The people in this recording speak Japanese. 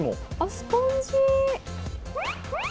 スポンジ！